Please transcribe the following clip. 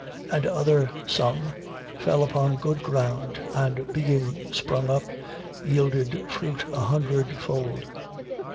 8:8. And other some fell upon good ground and, being sprung up, yielded fruit a hundredfold.